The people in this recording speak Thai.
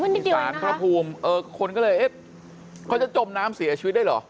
มันนิดเดียวเองนะครับคุณก็เลยเอ๊ะเขาจะจมน้ำเสียชีวิตได้หรอ